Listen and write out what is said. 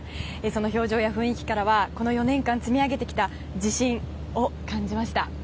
その表情や雰囲気からはこの４年間で積み上げてきた自信を感じました。